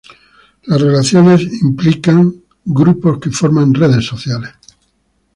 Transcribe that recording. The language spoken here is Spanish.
Las relaciones implican grupos que forman redes sociales.